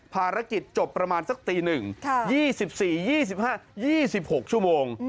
ภารกิจจบประมาณสักตี๑๒๔๒๖ชั่วโมง